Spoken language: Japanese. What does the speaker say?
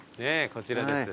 こちらです。